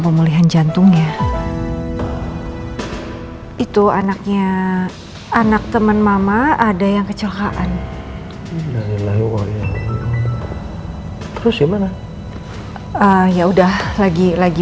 pemulihan jantungnya itu anaknya anak teman mama ada yang kecelakaan lalu ya udah lagi lagi